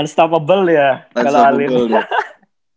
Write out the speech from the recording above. unstoppable ya kalau alin